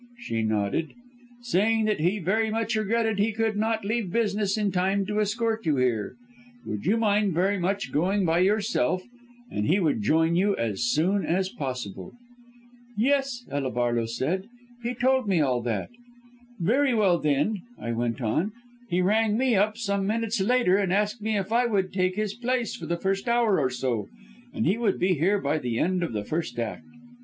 "She nodded. "'Saying that he very much regretted he could not leave business in time to escort you here. Would you mind very much going by yourself, and he would join you as soon as possible.' "'Yes,' Ella Barlow said, 'he told me all that.' "'Very well, then,' I went on, 'he rang me up some minutes later and asked me if I would take his place for the first hour or so, and he would be here by the end of the first act.'